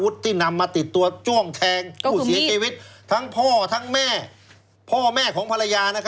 ทั้งที่พ่อทั้งแม่พ่อแม่ของภรรยา